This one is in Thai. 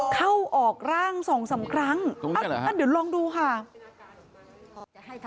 เข้าออกร่าง๒๓ครั้งเดี๋ยวลองดูค่ะ